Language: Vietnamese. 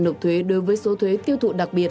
nộp thuế đối với số thuế tiêu thụ đặc biệt